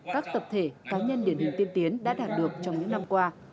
các tập thể cá nhân điển hình tiên tiến đã đạt được trong những năm qua